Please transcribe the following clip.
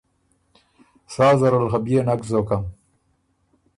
سا زرل خه بيې نک زوکم